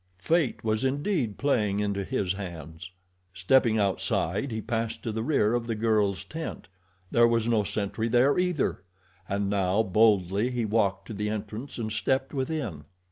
Fate was indeed playing into his hands. Stepping outside he passed to the rear of the girl's tent. There was no sentry there, either! And now, boldly, he walked to the entrance and stepped within.